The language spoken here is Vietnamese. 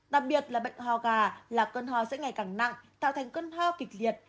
đặc biệt là bệnh hoa gà là cơn hoa sẽ ngày càng nặng tạo thành cơn hoa kịch liệt